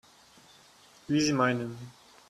Wie Sie meinen.